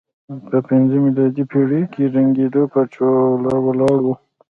په پځمه میلادي پېړۍ کې ړنګېدو پر پوله ولاړ و.